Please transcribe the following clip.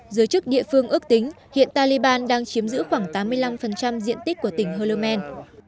giới chức địa phương ước tính hiện taliban đang chiếm giữ khoảng tám mươi năm diện tích của tỉnh hollmen